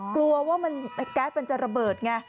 กลัวว่าแก๊สมันจะระเบิดไง